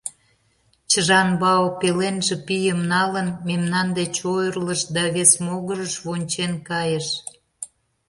Чжан-Бао, пеленже пийым налын, мемнан деч ойырлыш да вес могырыш вончен кайыш.